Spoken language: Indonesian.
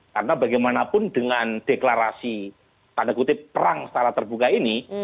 karena bagaimanapun dengan deklarasi tanda kutip perang secara terbuka ini